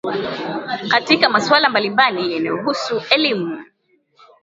katika masuala mbalimbali yanayohusu elimu